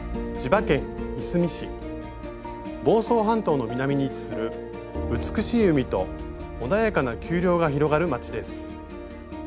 房総半島の南に位置する美しい海と穏やかな丘陵が広がる町です。